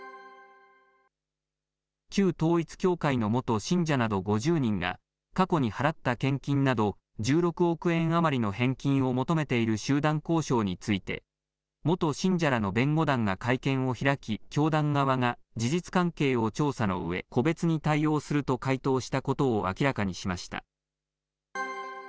旧統一教会の元信者など５０人が、過去に払った献金など１６億円余りの返金を求めている集団交渉について、元信者らの弁護団が会見を開き、教団側が事実関係を調査のうえ、個別に対応すると回答したことを明らかにしました。